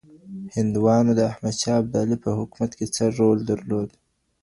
هندوانو د احمد شاه ابدالي په حکومت کي څه رول درلود؟